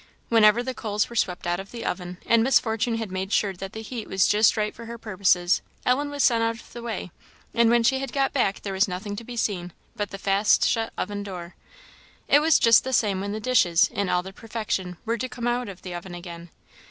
Whenever the coals were swept out of the oven, and Miss Fortune had made sure that the heat was just right for her purposes, Ellen was sent out of the way, and when she got back there was nothing to be seen but the fast shut oven door. It was just the same when the dishes, in all their perfection, were to come out of the oven again.